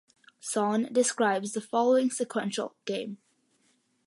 Sonn describes the following sequential game.